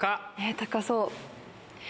高そう。